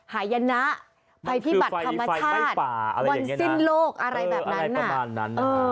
หายนะไปที่บัตรธรรมชาติวันสิ้นโลกอะไรแบบนั้นน่ะ